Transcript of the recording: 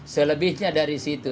selebihnya dari situ